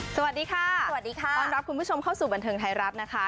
สวัสดีค่ะสวัสดีค่ะต้อนรับคุณผู้ชมเข้าสู่บันเทิงไทยรัฐนะคะ